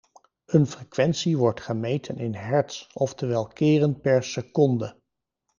Een frequentie wordt gemeten in hertz, oftewel keren per second.